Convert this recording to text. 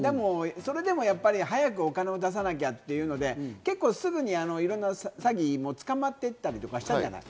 それでも早くお金を出さなきゃというので、すぐに詐欺も捕まっていったりしたじゃない。